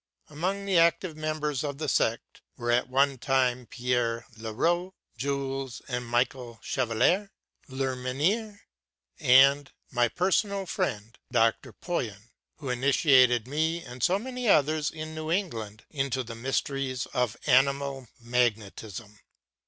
Among the active members of the sect were at one time Pierre Leroux, Jules and Michel Chevalier, Lerminier, [and] my personal friend Dr. Poyen, who initiated me and so many others in New England into the mysteries of animal magnetism.